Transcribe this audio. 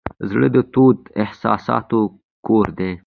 زړه د تودو احساساتو کور دی.